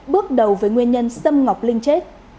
bước đầu với nguyên nhân xâm ngọc linh chế